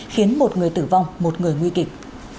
khiến một người tử vong một người nguy kịch